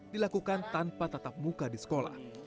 dilakukan tanpa tatap muka di sekolah